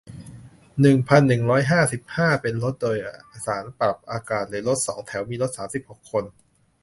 หนึ่งพันหนึ่งร้อยห้าสิบห้า เป็นรถโดยสารปรับอากาศ หรือ รถสองแถว มีรถ สามสิบหก คน